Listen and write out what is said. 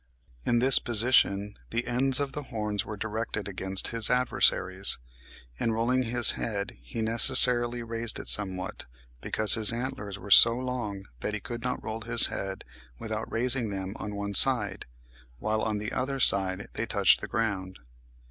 In this position the ends of the horns were directed against his adversaries. "In rolling his head he necessarily raised it somewhat, because his antlers were so long that he could not roll his head without raising them on one side, while, on the other side they touched the ground."